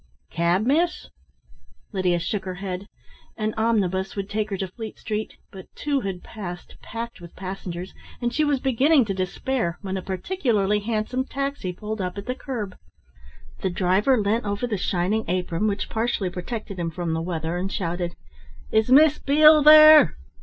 "Cab, miss?" Lydia shook her head. An omnibus would take her to Fleet Street, but two had passed, packed with passengers, and she was beginning to despair, when a particularly handsome taxi pulled up at the kerb. The driver leant over the shining apron which partially protected him from the weather, and shouted: "Is Miss Beale there?"